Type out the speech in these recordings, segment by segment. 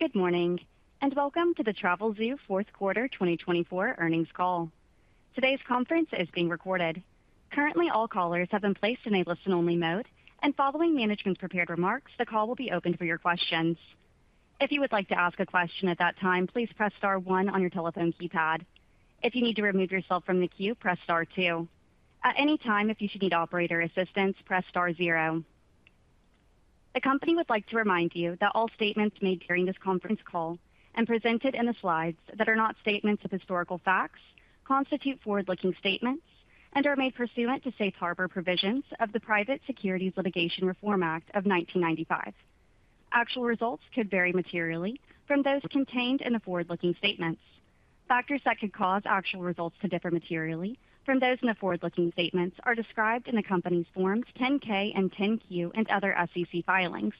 Good morning and welcome to the Travelzoo Fourth Quarter 2024 earnings call. Today's conference is being recorded. Currently, all callers have been placed in a listen-only mode, and following management's prepared remarks, the call will be open for your questions. If you would like to ask a question at that time, please press star one on your telephone keypad. If you need to remove yourself from the queue, press star two. At any time, if you should need operator assistance, press star zero. The company would like to remind you that all statements made during this conference call and presented in the slides that are not statements of historical facts constitute forward-looking statements and are made pursuant to Safe Harbor provisions of the Private Securities Litigation Reform Act of 1995. Actual results could vary materially from those contained in the forward-looking statements. Factors that could cause actual results to differ materially from those in the forward-looking statements are described in the company's Forms 10-K and 10-Q and other SEC filings.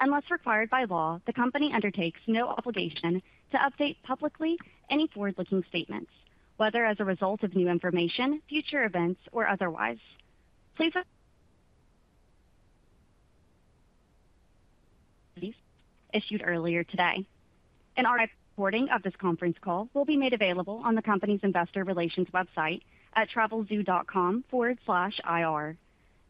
Unless required by law, the company undertakes no obligation to update publicly any forward-looking statements, whether as a result of new information, future events, or otherwise. Please note that this issue was issued earlier today. An archived recording of this conference call will be made available on the company's investor relations website at travelzoo.com/ir.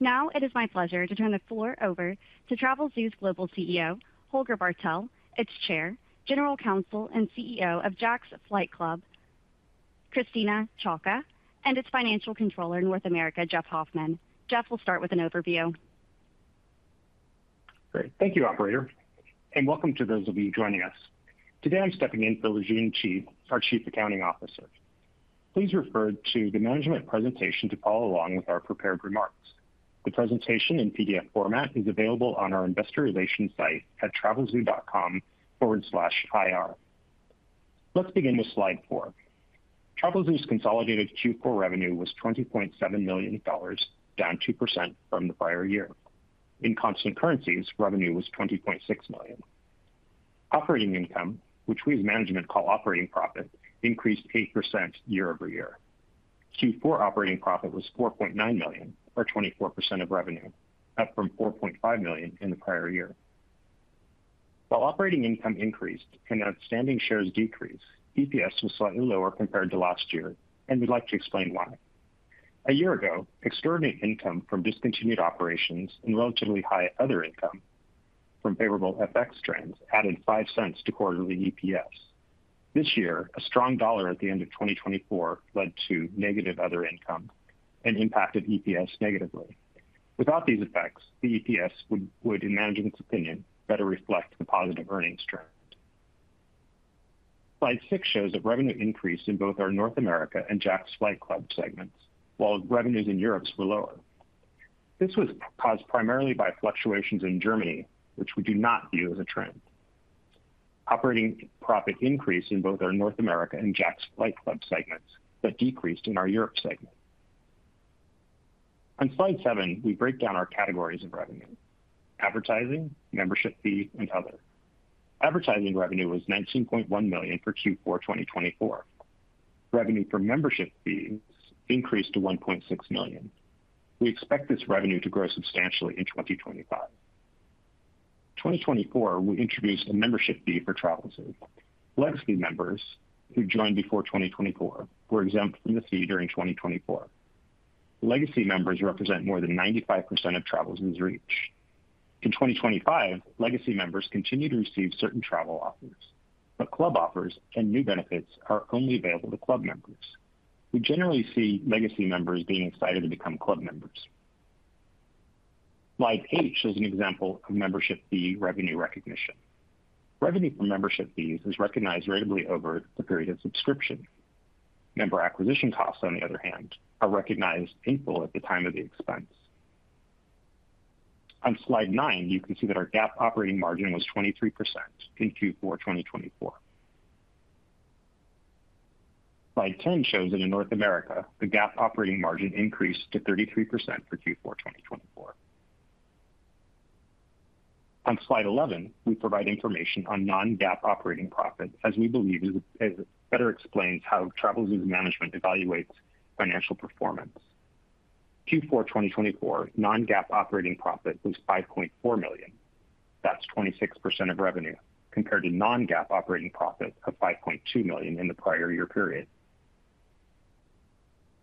Now, it is my pleasure to turn the floor over to Travelzoo's Global CEO, Holger Bartel, its Chair, General Counsel, and CEO of Jack's Flight Club, Christina Ciocca, and its Financial Controller, North America, Jeff Hoffman. Jeff will start with an overview. Great. Thank you, Operator, and welcome to those of you joining us. Today, I'm stepping in for Lijun Qi, our Chief Accounting Officer. Please refer to the management presentation to follow along with our prepared remarks. The presentation in PDF format is available on our investor relations site at travelzoo.com/ir. Let's begin with slide four. Travelzoo's consolidated Q4 revenue was $20.7 million, down 2% from the prior year. In constant currencies, revenue was $20.6 million. Operating income, which we as management call operating profit, increased 8% year over year. Q4 operating profit was $4.9 million, or 24% of revenue, up from $4.5 million in the prior year. While operating income increased and outstanding shares decreased, EPS was slightly lower compared to last year, and we'd like to explain why. A year ago, extraordinary income from discontinued operations and relatively high other income from favorable FX trends added $0.05 to quarterly EPS. This year, a strong dollar at the end of 2024 led to negative other income and impacted EPS negatively. Without these effects, the EPS would, in management's opinion, better reflect the positive earnings trend. Slide six shows a revenue increase in both our North America and Jack's Flight Club segments, while revenues in Europe were lower. This was caused primarily by fluctuations in Germany, which we do not view as a trend. Operating profit increased in both our North America and Jack's Flight Club segments, but decreased in our Europe segment. On slide seven, we break down our categories of revenue: advertising, membership fees, and others. Advertising revenue was $19.1 million for Q4 2024. Revenue from membership fees increased to $1.6 million. We expect this revenue to grow substantially in 2025. In 2024, we introduced a membership fee for Travelzoo. Legacy members who joined before 2024 were exempt from the fee during 2024. Legacy members represent more than 95% of Travelzoo's reach. In 2025, legacy members continue to receive certain travel offers, but club offers and new benefits are only available to club members. We generally see legacy members being excited to become club members. Slide eight shows an example of membership fee revenue recognition. Revenue from membership fees is recognized ratably over the period of subscription. Member acquisition costs, on the other hand, are recognized in full at the time of the expense. On slide nine, you can see that our GAAP operating margin was 23% in Q4 2024. Slide 10 shows that in North America, the GAAP operating margin increased to 33% for Q4 2024. On slide 11, we provide information on non-GAAP operating profit, as we believe it better explains how Travelzoo's management evaluates financial performance. Q4 2024, non-GAAP operating profit was $5.4 million. That's 26% of revenue, compared to non-GAAP operating profit of $5.2 million in the prior year period.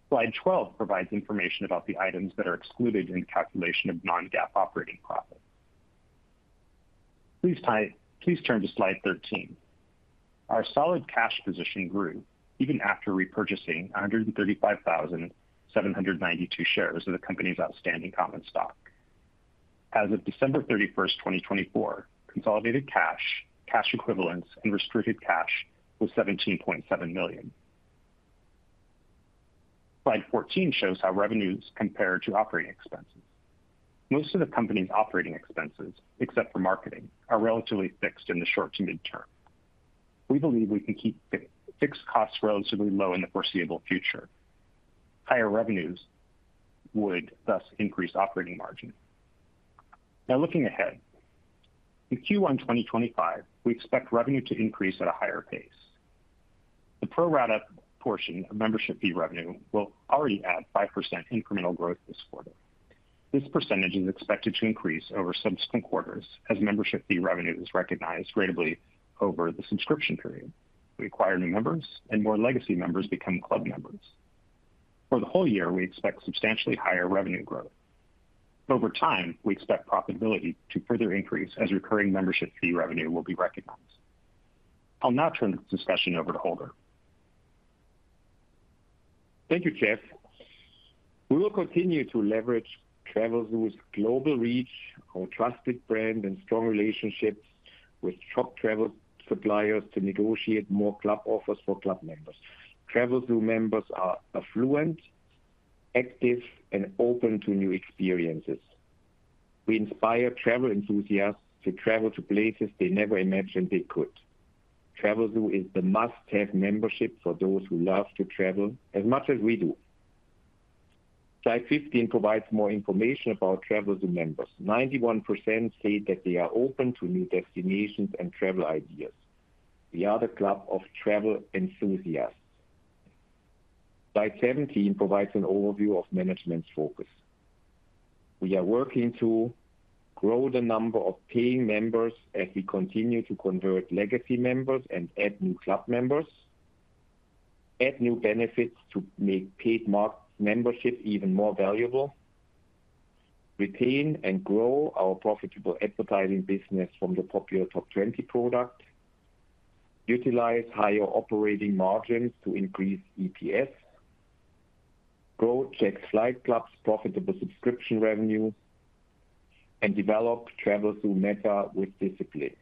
Slide 12 provides information about the items that are excluded in the calculation of non-GAAP operating profit. Please turn to slide 13. Our solid cash position grew even after repurchasing 135,792 shares of the company's outstanding common stock. As of December 31, 2024, consolidated cash, cash equivalents, and restricted cash was $17.7 million. Slide 14 shows how revenues compare to operating expenses. Most of the company's operating expenses, except for marketing, are relatively fixed in the short to midterm. We believe we can keep fixed costs relatively low in the foreseeable future. Higher revenues would thus increase operating margin. Now, looking ahead, in Q1 2025, we expect revenue to increase at a higher pace. The pro-rata portion of membership fee revenue will already add 5% incremental growth this quarter. This percentage is expected to increase over subsequent quarters as membership fee revenue is recognized ratably over the subscription period. We acquire new members, and more legacy members become club members. For the whole year, we expect substantially higher revenue growth. Over time, we expect profitability to further increase as recurring membership fee revenue will be recognized. I'll now turn the discussion over to Holger. Thank you, Jeff. We will continue to leverage Travelzoo's global reach, our trusted brand, and strong relationships with top travel suppliers to negotiate more Club Offers for club members. Travelzoo members are affluent, active, and open to new experiences. We inspire travel enthusiasts to travel to places they never imagined they could. Travelzoo is the must-have membership for those who love to travel as much as we do. Slide 15 provides more information about Travelzoo members. 91% say that they are open to new destinations and travel ideas. We are the club of travel enthusiasts. Slide 17 provides an overview of management's focus. We are working to grow the number of paying members as we continue to convert legacy members and add new club members, add new benefits to make paid membership even more valuable, retain and grow our profitable advertising business from the popular Top 20 product, utilize higher operating margins to increase EPS, grow Jack's Flight Club's profitable subscription revenue, and develop Travelzoo META with discipline.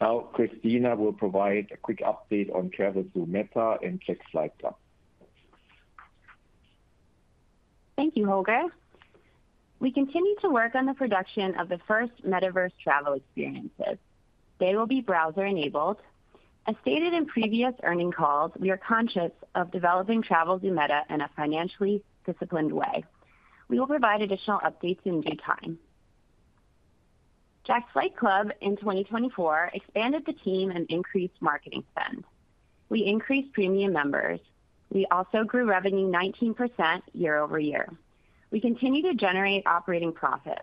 Now, Christina will provide a quick update on Travelzoo META and Jack's Flight Club. Thank you, Holger. We continue to work on the production of the first Metaverse travel experiences. They will be browser-enabled. As stated in previous earnings calls, we are conscious of developing Travelzoo META in a financially disciplined way. We will provide additional updates in due time. Jack's Flight Club in 2024 expanded the team and increased marketing spend. We increased premium members. We also grew revenue 19% year over year. We continue to generate operating profit.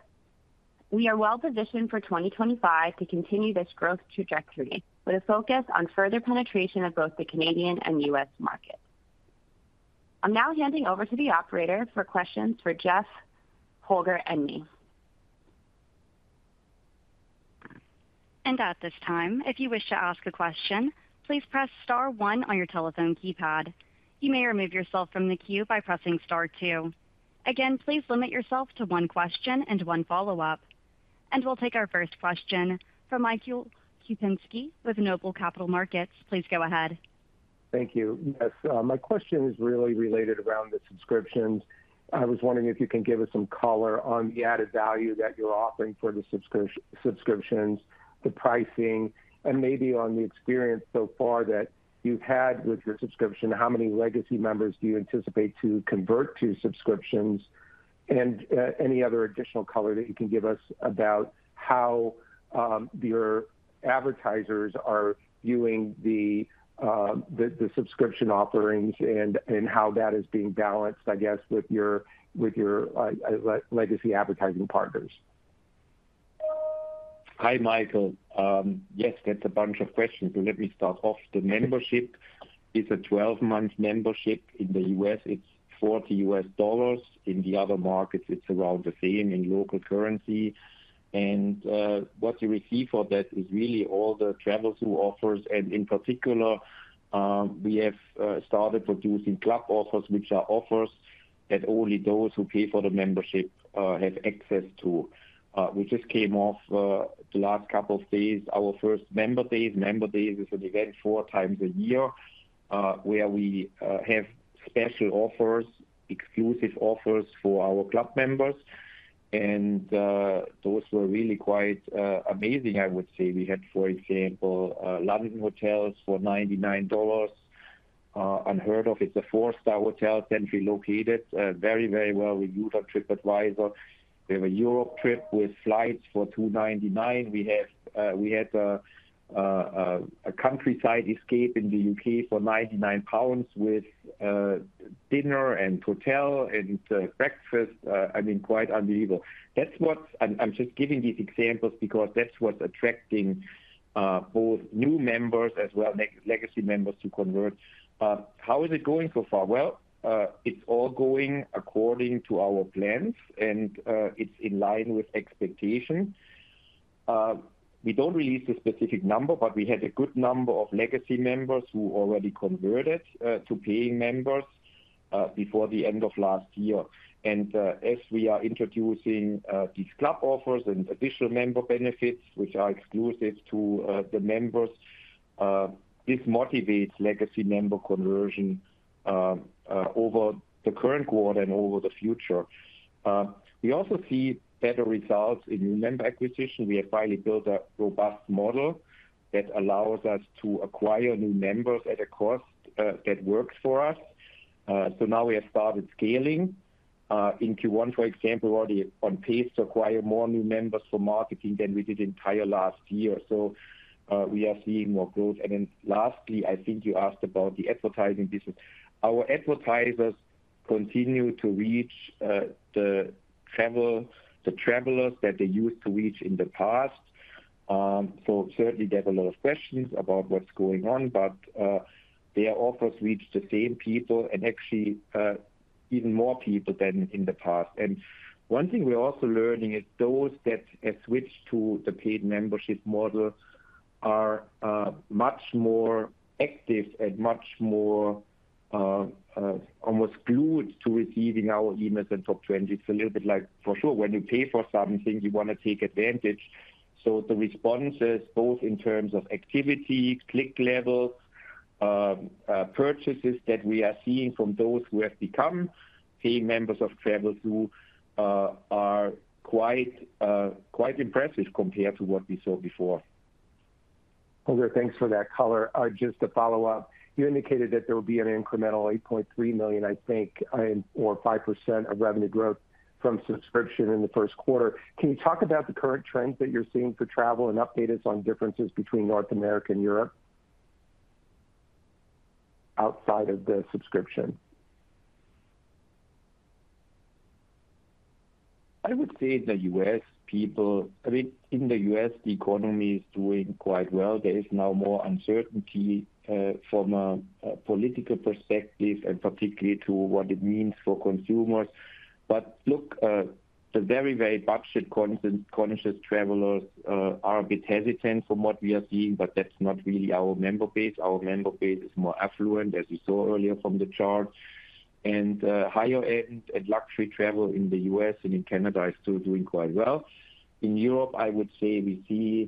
We are well-positioned for 2025 to continue this growth trajectory with a focus on further penetration of both the Canadian and U.S. markets. I'm now handing over to the operator for questions for Jeff, Holger, and me. At this time, if you wish to ask a question, please press star one on your telephone keypad. You may remove yourself from the queue by pressing star two. Again, please limit yourself to one question and one follow-up. We will take our first question from Michael Kupinski with Noble Capital Markets. Please go ahead. Thank you. Yes, my question is really related around the subscriptions. I was wondering if you can give us some color on the added value that you're offering for the subscriptions, the pricing, and maybe on the experience so far that you've had with your subscription. How many legacy members do you anticipate to convert to subscriptions? Any other additional color that you can give us about how your advertisers are viewing the subscription offerings and how that is being balanced, I guess, with your legacy advertising partners? Hi, Michael. Yes, that's a bunch of questions. Let me start off. The membership is a 12-month membership. In the U.S., it's $40. In the other markets, it's around the same in local currency. What you receive for that is really all the Travelzoo offers. In particular, we have started producing Club Offers, which are offers that only those who pay for the membership have access to. We just came off the last couple of days, our first Member Days. Member Days is an event four times a year where we have special offers, exclusive offers for our club members. Those were really quite amazing, I would say. We had, for example, London hotels for $99. Unheard of. It's a four-star hotel centrally located. Very, very well reviewed on Tripadvisor. We have a Europe trip with flights for $299. We had a countryside escape in the U.K. for 99 pounds with dinner and hotel and breakfast. I mean, quite unbelievable. I'm just giving these examples because that's what's attracting both new members as well as legacy members to convert. How is it going so far? It is all going according to our plans, and it is in line with expectations. We do not release a specific number, but we had a good number of legacy members who already converted to paying members before the end of last year. As we are introducing these Club Offers and additional member benefits, which are exclusive to the members, this motivates legacy member conversion over the current quarter and over the future. We also see better results in new member acquisition. We have finally built a robust model that allows us to acquire new members at a cost that works for us. Now we have started scaling. In Q1, for example, we're already on pace to acquire more new members for marketing than we did the entire last year. We are seeing more growth. Lastly, I think you asked about the advertising business. Our advertisers continue to reach the travelers that they used to reach in the past. Certainly, there's a lot of questions about what's going on, but their offers reach the same people and actually even more people than in the past. One thing we're also learning is those that have switched to the paid membership model are much more active and much more almost glued to receiving our emails and Top 20. It's a little bit like, for sure, when you pay for something, you want to take advantage. The responses, both in terms of activity, click level, purchases that we are seeing from those who have become paying members of Travelzoo are quite impressive compared to what we saw before. Holger, thanks for that color. Just to follow up, you indicated that there will be an incremental $8.3 million, I think, or 5% of revenue growth from subscription in the first quarter. Can you talk about the current trends that you're seeing for travel and update us on differences between North America and Europe outside of the subscription? I would say the U.S. people, I mean, in the U.S., the economy is doing quite well. There is now more uncertainty from a political perspective and particularly to what it means for consumers. Look, the very, very budget-conscious travelers are a bit hesitant from what we are seeing, but that's not really our member base. Our member base is more affluent, as you saw earlier from the chart. Higher-end and luxury travel in the U.S. and in Canada is still doing quite well. In Europe, I would say we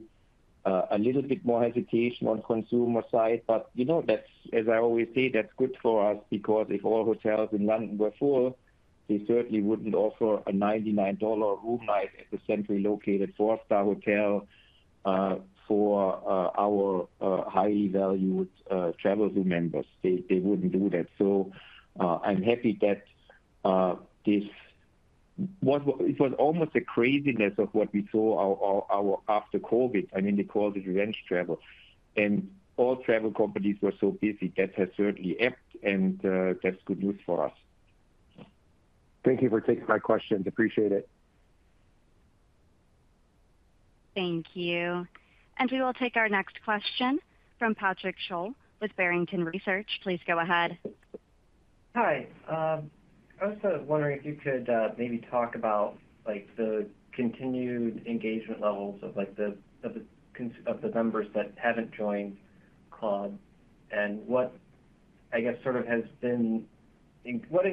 see a little bit more hesitation on the consumer side. You know, that's, as I always say, that's good for us because if all hotels in London were full, they certainly would not offer a $99 room night at the centrally located four-star hotel for our highly valued Travelzoo members. They would not do that. I'm happy that this was almost the craziness of what we saw after COVID. I mean, they called it revenge travel. And all travel companies were so busy. That has certainly ebbed, and that's good news for us. Thank you for taking my questions. Appreciate it. Thank you. We will take our next question from Patrick Sholl with Barrington Research. Please go ahead. Hi. I was wondering if you could maybe talk about the continued engagement levels of the members that haven't joined club and what, I guess, sort of has been what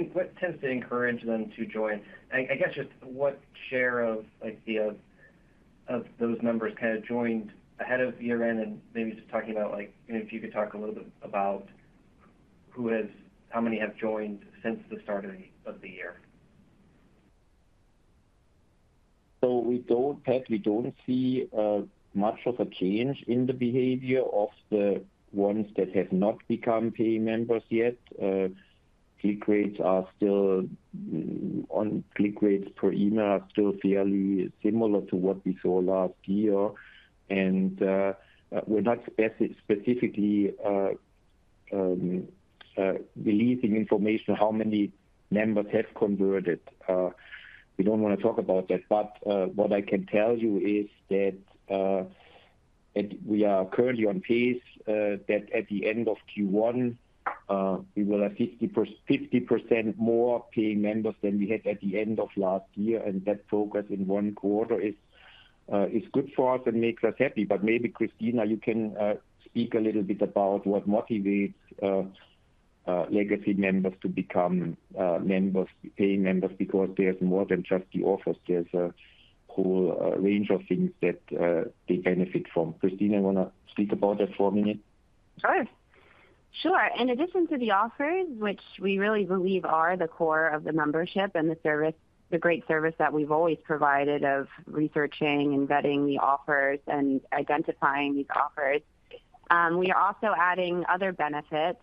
tends to encourage them to join. I guess just what share of those members kind of joined ahead of year-end? Maybe just talking about if you could talk a little bit about how many have joined since the start of the year. We actually do not see much of a change in the behavior of the ones that have not become paying members yet. Click rates are still on, click rates per email are still fairly similar to what we saw last year. We are not specifically releasing information on how many members have converted. We do not want to talk about that. What I can tell you is that we are currently on pace that at the end of Q1, we will have 50% more paying members than we had at the end of last year. That progress in one quarter is good for us and makes us happy. Maybe, Christina, you can speak a little bit about what motivates legacy members to become paying members because there is more than just the offers. There is a whole range of things that they benefit from. Christina, you want to speak about that for me? Sure. In addition to the offers, which we really believe are the core of the membership and the great service that we've always provided of researching and vetting the offers and identifying these offers, we are also adding other benefits.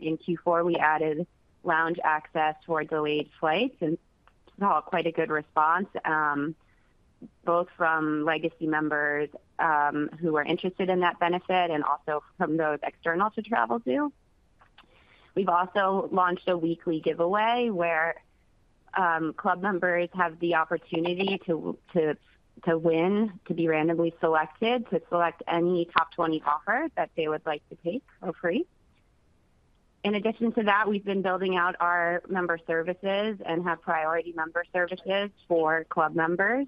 In Q4, we added lounge access for delayed flights. We saw quite a good response both from legacy members who were interested in that benefit and also from those external to Travelzoo. We've also launched a weekly giveaway where club members have the opportunity to win, to be randomly selected, to select any Top 20 offer that they would like to take for free. In addition to that, we've been building out our member services and have priority member services for club members.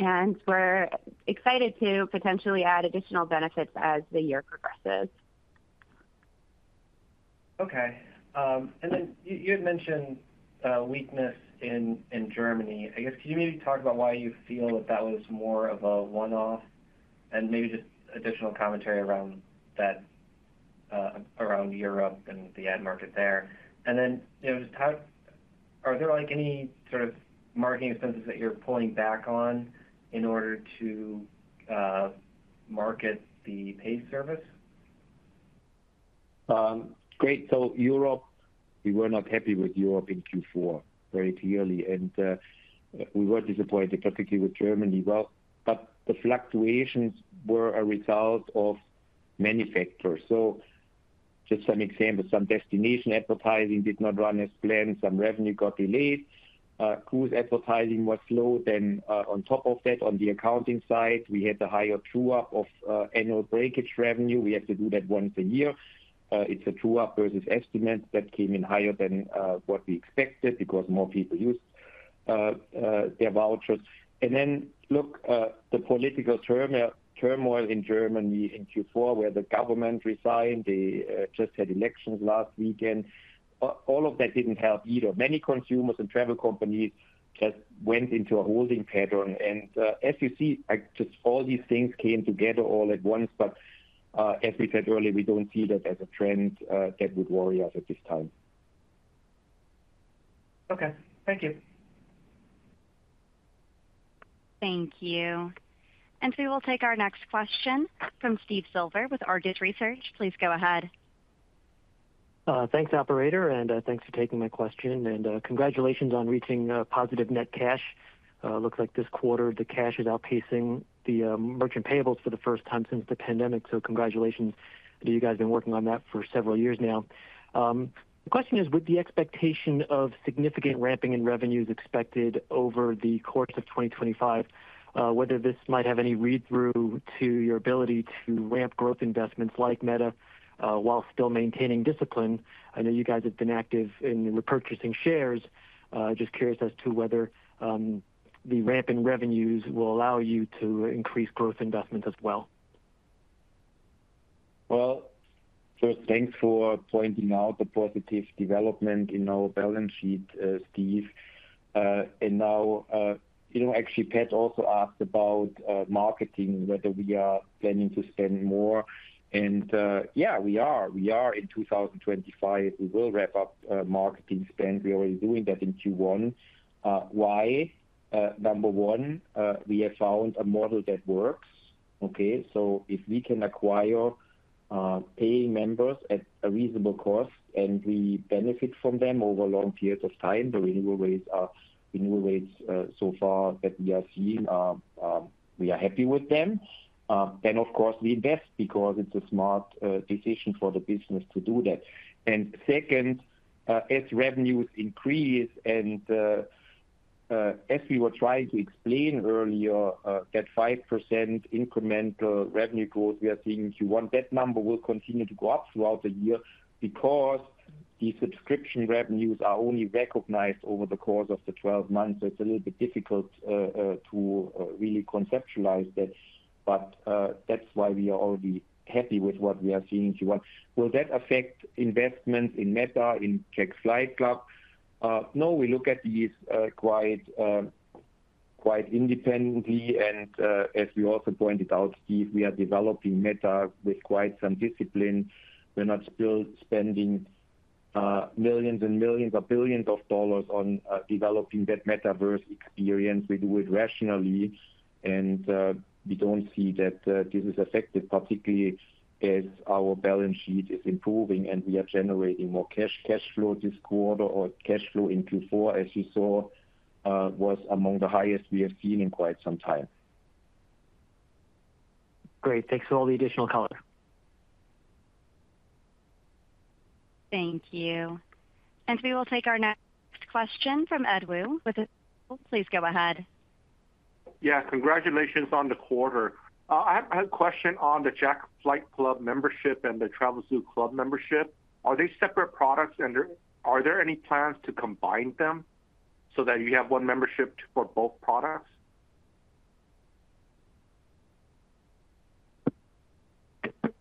We're excited to potentially add additional benefits as the year progresses. Okay. You had mentioned weakness in Germany. I guess, can you maybe talk about why you feel that that was more of a one-off and maybe just additional commentary around Europe and the ad market there? Are there any sort of marketing expenses that you're pulling back on in order to market the paid service? Great. Europe, we were not happy with Europe in Q4, very clearly. We were disappointed particularly with Germany. The fluctuations were a result of many factors. Just some examples, some destination advertising did not run as planned. Some revenue got delayed. Cruise advertising was slow. On top of that, on the accounting side, we had the higher true-up of annual breakage revenue. We have to do that once a year. It is a true-up versus estimate that came in higher than what we expected because more people used their vouchers. Look, the political turmoil in Germany in Q4 where the government resigned, they just had elections last weekend. All of that did not help either. Many consumers and travel companies just went into a holding pattern. As you see, all these things came together all at once. As we said earlier, we do not see that as a trend that would worry us at this time. Okay. Thank you. Thank you. We will take our next question from Steve Silver with Argus Research. Please go ahead. Thanks, Operator. Thanks for taking my question. Congratulations on reaching positive net cash. Looks like this quarter, the cash is outpacing the merchant payables for the first time since the pandemic. Congratulations to you guys, you have been working on that for several years now. The question is, with the expectation of significant ramping in revenues expected over the course of 2025, whether this might have any read-through to your ability to ramp growth investments like Meta while still maintaining discipline. I know you guys have been active in repurchasing shares. Just curious as to whether the ramp in revenues will allow you to increase growth investments as well. Thank you for pointing out the positive development in our balance sheet, Steve. Actually, Pat also asked about marketing, whether we are planning to spend more. Yes, we are. We are in 2025. We will ramp up marketing spend. We are already doing that in Q1. Why? Number one, we have found a model that works. If we can acquire paying members at a reasonable cost and we benefit from them over long periods of time, the renewal rates so far that we are seeing, we are happy with them. Of course, we invest because it is a smart decision for the business to do that. Second, as revenues increase and as we were trying to explain earlier, that 5% incremental revenue growth we are seeing in Q1, that number will continue to go up throughout the year because the subscription revenues are only recognized over the course of the 12 months. It is a little bit difficult to really conceptualize that. That is why we are already happy with what we are seeing in Q1. Will that affect investments in Meta, in Jack's Flight Club? No, we look at these quite independently. As we also pointed out, Steve, we are developing Meta with quite some discipline. We are not still spending millions and millions or billions of dollars on developing that Metaverse experience. We do it rationally. We do not see that this is affected, particularly as our balance sheet is improving and we are generating more cash flow this quarter. Cash flow in Q4, as you saw, was among the highest we have seen in quite some time. Great. Thanks for all the additional color. Thank you. We will take our next question from Ed Woo. Please go ahead. Yeah. Congratulations on the quarter. I have a question on the Jack's Flight Club membership and the Travelzoo Club membership. Are they separate products? Are there any plans to combine them so that you have one membership for both products?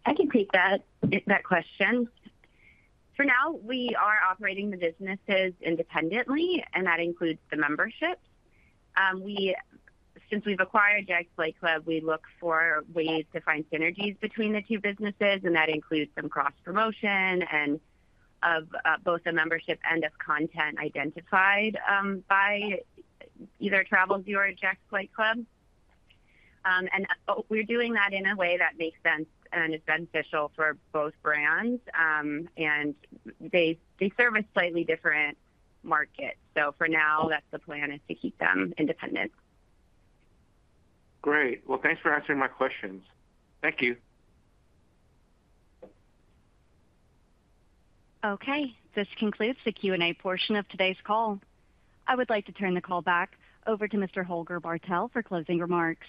I can take that question. For now, we are operating the businesses independently, and that includes the membership. Since we've acquired Jack's Flight Club, we look for ways to find synergies between the two businesses. That includes some cross-promotion of both the membership and of content identified by either Travelzoo or Jack's Flight Club. We're doing that in a way that makes sense and is beneficial for both brands. They service slightly different markets. For now, that's the plan, to keep them independent. Great. Thanks for answering my questions. Thank you. Okay. This concludes the Q&A portion of today's call. I would like to turn the call back over to Mr. Holger Bartel for closing remarks.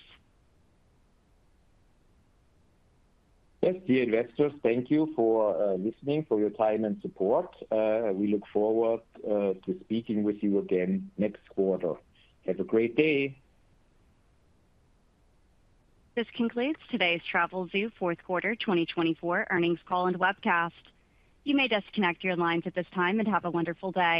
Yes, dear investors, thank you for listening, for your time and support. We look forward to speaking with you again next quarter. Have a great day. This concludes today's Travelzoo Fourth Quarter 2024 earnings call and webcast. You may disconnect your lines at this time and have a wonderful day.